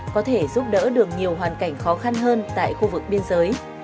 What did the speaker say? có thể giúp đỡ được nhiều hoàn cảnh khó khăn hơn tại khu vực biên giới